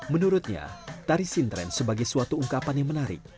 menurutnya tari sintren sebagai suatu ungkapan yang menarik